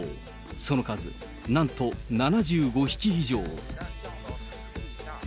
その数なんと７５匹以上。